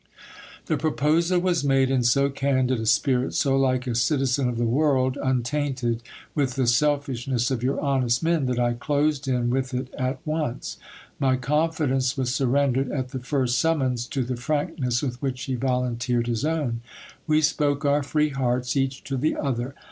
The proposal was made in so candid a spirit, so like a citizen of the world, untainted with the selfishness of your honest men, that I closed in with it at once. My confidence was surrendered at the first summons to the frankness with which he volunteered his own. We spoke our free hearts each to the other.